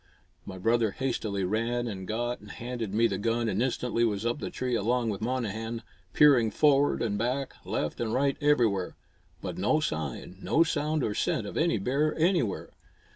My brother hastily ran and got and handed me the gun and instantly was up the tree along with Monnehan, peering forward and back, left and right, everywhere. But no sign, no sound or scent of any bear anywhere.